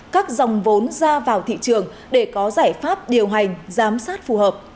các dòng vốn ra vào thị trường để có giải pháp điều hành giám sát phù hợp